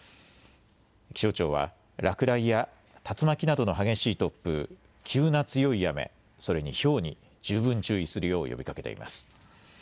気象庁は落雷や竜巻などの激しい突風、急な強い雨、それにひょうに十分注意するよう呼びかけています。